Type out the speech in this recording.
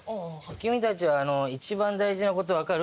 君たちは一番大事なこと分かる？